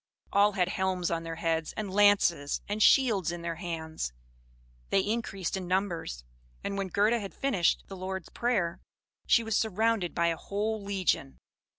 All had helms on their heads, and lances and shields in their hands; they increased in numbers; and when Gerda had finished the Lord's Prayer, she was surrounded by a whole legion.